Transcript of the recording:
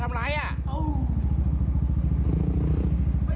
ทำอะไรอ่ะ